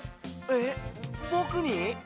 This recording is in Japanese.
えっぼくに？